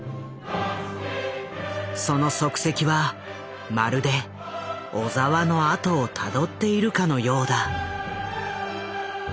その足跡はまるで小澤のあとをたどっているかのようだ。